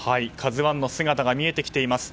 「ＫＡＺＵ１」の姿が見えてきています。